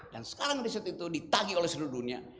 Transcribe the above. dan sekarang riset itu ditagih oleh seluruh dunia